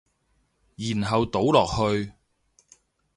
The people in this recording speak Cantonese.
然後倒落去